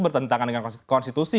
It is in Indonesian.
bertentangan dengan konstitusi